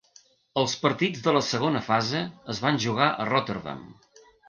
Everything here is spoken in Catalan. Els partits de la segona fase es van jugar a Rotterdam.